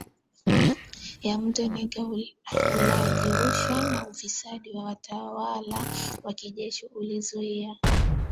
ya mto Niger Ulaji rushwa na ufisadi wa watawala wa kijeshi ulizuia